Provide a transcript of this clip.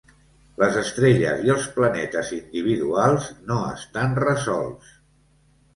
Les estrelles i els planetes individuals no estan resolts.